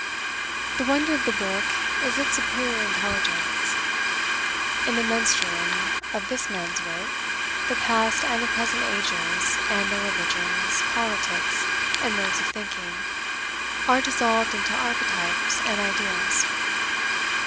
The wonder of the book is its superior intelligence. In the menstruum of this man's wit, the past and the present ages, and their religions, politics, and modes of thinking, are dissolved into archetypes and ideas.